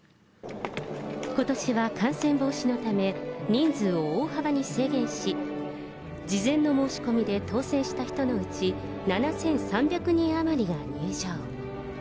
ことしは感染防止のため、人数を大幅に制限し、事前の申し込みで当選した人のうち、７３００人余りが入場。